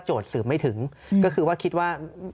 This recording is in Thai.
สืบไม่ถึงก็คือว่าคิดว่า